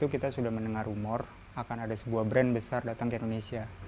kita sudah mendengar rumor akan ada sebuah brand besar datang ke indonesia